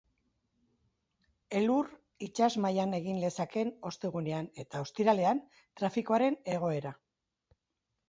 Elurra itsas mailan egin lezake ostegunean eta ostiralean, trafikoaren egoera.